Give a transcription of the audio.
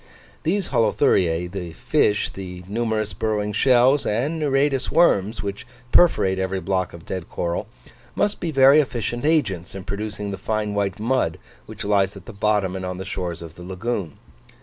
These Holuthuriae, the fish, the numerous burrowing shells, and nereidous worms, which perforate every block of dead coral, must be very efficient agents in producing the fine white mud which lies at the bottom and on the shores of the lagoon.